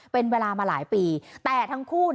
เป็นเวลามาหลายปีแต่ทั้งคู่